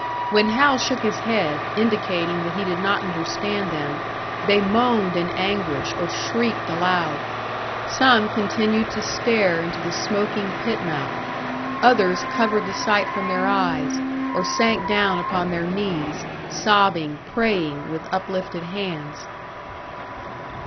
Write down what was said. When Hal shook his head, indicating that he did not understand them, they moaned in anguish, or shrieked aloud. Some continued to stare into the smoking pit mouth; others covered the sight from their eyes, or sank down upon their knees, sobbing, praying with uplifted hands.